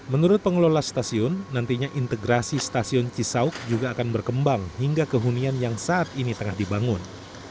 menurut pengelola stasiun nantinya integrasi stasiun cisauk juga akan berkembang hingga kehunian yang saat ini tengah dibangun